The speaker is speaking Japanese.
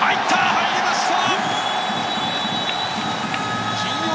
入りました！